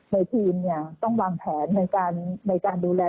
ในทีมต้องวางแผนในการดูแล